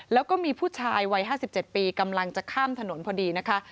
แล้วก็มีผู้ชายวัย๕๗ปีกำลังจะข้ามถนนพอดีนะคะ